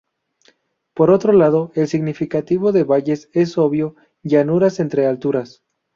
Por otro lado, el significado de Valles es obvio, "llanuras entre alturas".